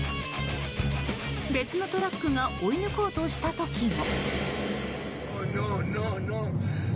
別のトラックが追い抜こうとした時も。